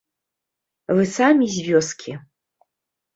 Вы самі з вёскі.